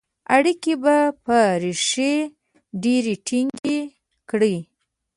اړیکي به ریښې ډیري ټینګي کړي.